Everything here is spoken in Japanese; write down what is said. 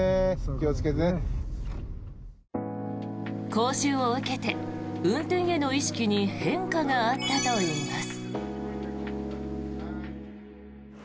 講習を受けて運転への意識に変化があったといいます。